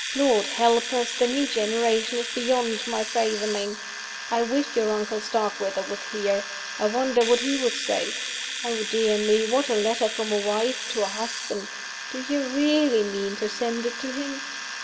Lord help us! the new generation is beyond my fathoming. I wish your uncle Starkweather was here: I wonder what he would say? Oh, dear me, what a letter from a wife to a husband! Do you really mean to send it to him?"